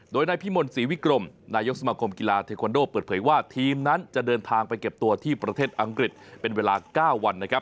โดยนายพิมลศรีวิกรมนายกสมาคมกีฬาเทควันโดเปิดเผยว่าทีมนั้นจะเดินทางไปเก็บตัวที่ประเทศอังกฤษเป็นเวลา๙วันนะครับ